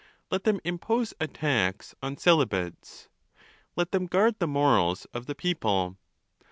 Let them impose a tax on celibates. Let them guard the morals of the people.